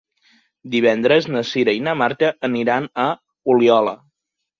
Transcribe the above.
Divendres na Cira i na Marta aniran a Oliola.